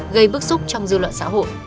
gây bức xúc trong dư luận xã hội